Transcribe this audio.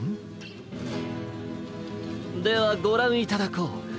ではごらんいただこう！